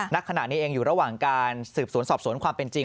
ณขณะนี้เองอยู่ระหว่างการสืบสวนสอบสวนความเป็นจริง